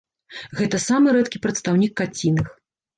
Гэта самы рэдкі прадстаўнік каціных.